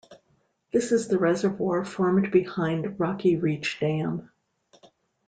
This is the reservoir formed behind Rocky Reach Dam.